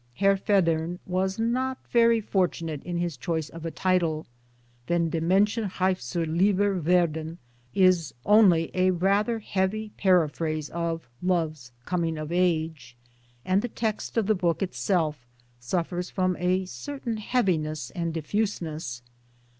Herr Federn was not very fortunate in his choice of a title. Wenn die M&nschen reif zar Liebe werden is only a rather heavy paraphrase of Love's Coming of Age, and the text of the book itself suffers from a certain heaviness and diffuse ness.